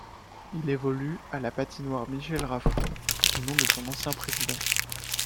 Il évolue à la patinoire Michel Raffoux du nom de son ancien président.